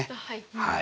はい。